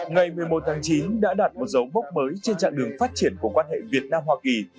ngày một mươi một tháng chín đã đạt một dấu mốc mới trên trạng đường phát triển của quan hệ việt nam hoa kỳ